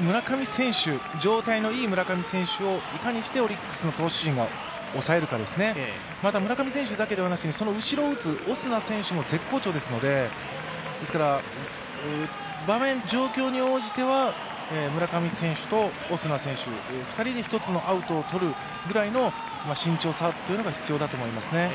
村上選手、状態のいい村上選手をいかにしてオリックスの投手陣が抑えるかですね、また村上選手だけではなしにその後ろを打つオスナ選手も絶好調ですのでですから場面、状況に応じては村上選手とオスナ選手、２人に１つのアウトをとるくらいの慎重さが必要だと思いますね。